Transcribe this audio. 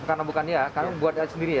oh karena bukan dia karena buat sendiri ya